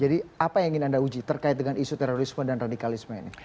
jadi apa yang ingin anda uji terkait dengan isu terorisme dan radikalisme ini